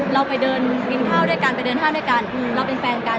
เราไปเดินกินข้าวด้วยกันไปเดินห้าวด้วยกันเราเป็นแฟนกัน